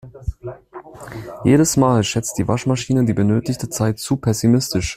Jedes Mal schätzt die Waschmaschine die benötigte Zeit zu pessimistisch.